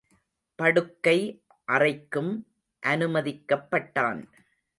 படுக்கை அறைக்கும் அனுமதிக்கப்பட்டான்.